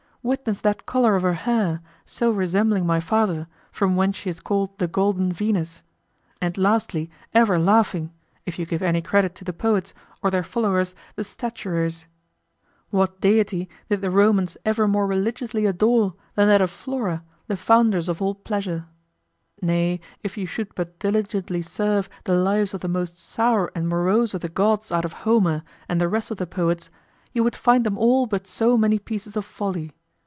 Witness that color of her hair, so resembling my father, from whence she is called the golden Venus; and lastly, ever laughing, if you give any credit to the poets, or their followers the statuaries. What deity did the Romans ever more religiously adore than that of Flora, the foundress of all pleasure? Nay, if you should but diligently search the lives of the most sour and morose of the gods out of Homer and the rest of the poets, you would find them all but so many pieces of Folly.